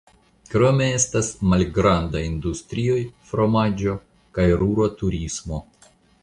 Krome estas malgrandaj industrioj (fromaĝo) kaj rura turismo.